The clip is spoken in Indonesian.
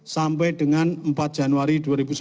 sampai dengan empat januari dua ribu sembilan belas